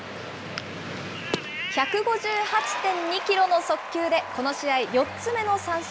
１５８．２キロの速球で、この試合、４つ目の三振。